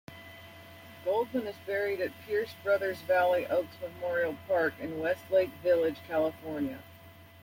Goldman is buried at Pierce Brothers Valley Oaks Memorial Park in Westlake Village, California.